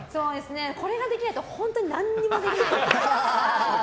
これができないと本当に何もできない。